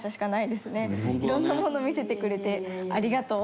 色んなものを見せてくれてありがとう。